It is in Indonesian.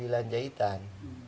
ini tiga puluh sembilan jahitan